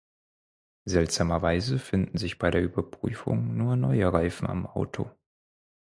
Seltsamerweise finden sich bei der Überprüfung nur neue Reifen am Auto.